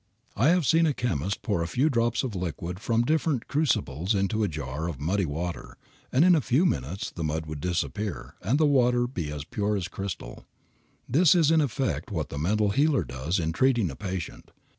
I have seen a chemist pour a few drops of liquid from different crucibles into a jar of muddy water and in a few minutes the mud would disappear and the water be as pure as crystal. This is in effect what the mental healer does in treating a patient.